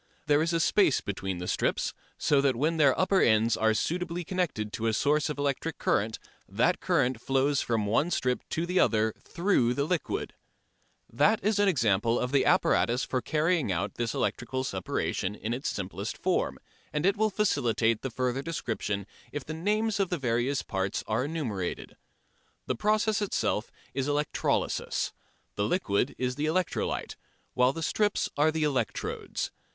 There is a space between the strips, so that when their upper ends are suitably connected to a source of electric current that current flows from one strip to the other through the liquid. That is an example of the apparatus for carrying out this electrical separation in its simplest form, and it will facilitate the further description if the names of various parts are enumerated. The process itself is electrolysis; the liquid is the electrolyte, while the strips are the electrodes.